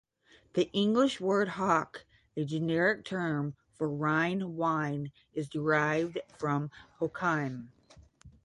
The English word "hock", a generic term for Rhine wine, is derived from Hochheim.